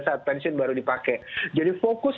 saat pensiun baru dipakai jadi fokus